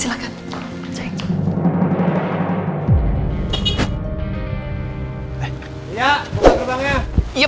iya pak bos